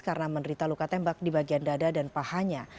karena menerita luka tembak di bagian dada dan pahanya